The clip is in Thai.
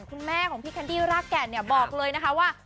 คุณแม่ของพี่แคนดี้รากแก่นเนี่ยบอกเลยนะคะว่า